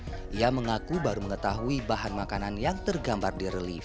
pembacaan di borobudur ia mengaku baru mengetahui bahan makanan yang tergambar di relief